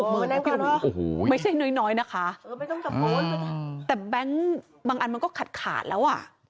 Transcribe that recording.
เบอร์แรกไม่ใช่น้อยนะคะแต่แบงค์บางอันมันก็ขาดขาดแล้วอ่ะ